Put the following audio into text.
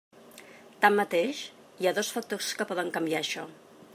Tanmateix, hi ha dos factors que poden canviar això.